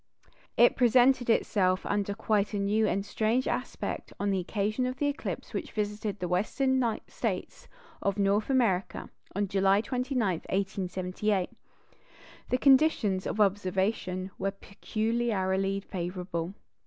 It presented itself under quite a new and strange aspect on the occasion of the eclipse which visited the Western States of North America, July 29, 1878. The conditions of observation were peculiarly favourable.